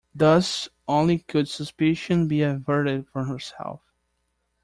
Thus only could suspicion be averted from herself.